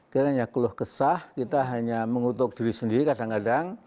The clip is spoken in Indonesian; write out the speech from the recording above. kita hanya keluh kesah kita hanya mengutuk diri sendiri kadang kadang